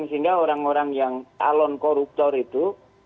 sehingga orang orang yang calon koruptor itu